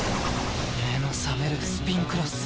目の覚めるスピンクロス！